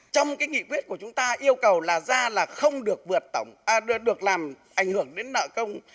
trong nghị quyết của chúng ta yêu cầu là ra là không được làm ảnh hưởng đến nợ công